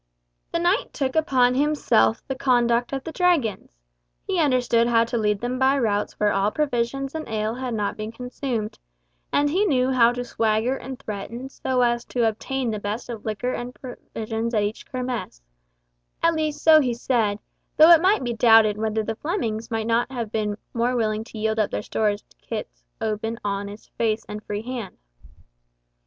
The knight took upon himself the conduct of the Dragons. He understood how to lead them by routes where all provisions and ale had not been consumed; and he knew how to swagger and threaten so as to obtain the best of liquor and provisions at each kermesse—at least so he said, though it might be doubted whether the Flemings might not have been more willing to yield up their stores to Kit's open, honest face and free hand.